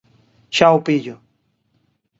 Xa o pillo.